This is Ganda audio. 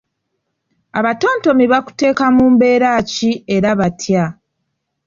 Abatontomi bakuteeka mu mbeera ki era batya?